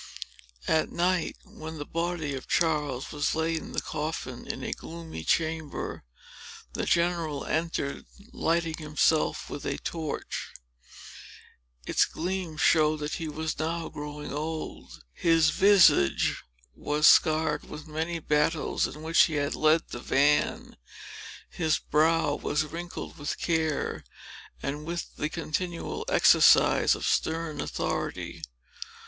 At night, when the body of Charles was laid in the coffin, in a gloomy chamber, the general entered, lighting himself with a torch. Its gleam showed that he was now growing old; his visage was scarred with the many battles in which he had led the van; his brow was wrinkled with care, and with the continual exercise of stern authority.